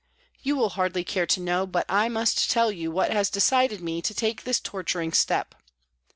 You will hardly care to knoAv, but I must tell you what has decided me to take this torturing step.